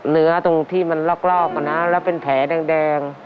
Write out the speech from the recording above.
ตรงที่มันลอกแล้วเป็นแผลแดง